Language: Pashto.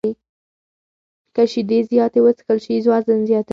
که شیدې زیاتې وڅښل شي، وزن زیاتوي.